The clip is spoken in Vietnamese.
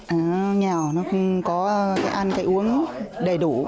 nó nghèo nó không có cái ăn cái uống đầy đủ